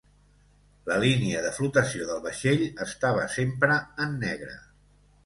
La línia de flotació del vaixell estava sempre en negre.